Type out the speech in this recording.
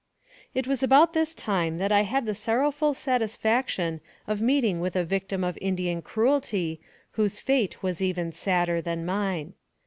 IT was about this time that I had the sorrowful sat isfaction of meeting with a victim of Indian cruelty, whose fate was even sadder than mine.